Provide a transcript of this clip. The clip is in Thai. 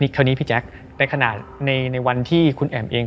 คราวนี้พี่แจ๊คในขณะในวันที่คุณแอ๋มเอง